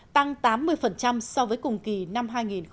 tăng tám mươi so với cùng kỳ năm hai nghìn một mươi tám